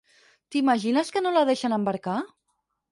T'imagines que no la deixen embarcar?